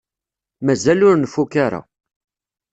Mazal ur nfukk ara.